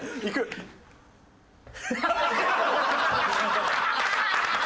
ハハハハ！